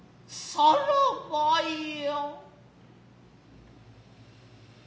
さらばや。